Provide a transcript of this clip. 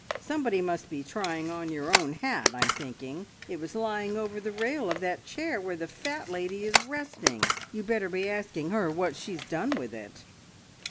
Somebody must be trying on your own hat, I'm thinking. It was lying over the rail of that chair where the fat lady is resting. You'd better be asking her what she's done with it."